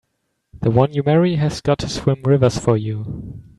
The one you marry has got to swim rivers for you!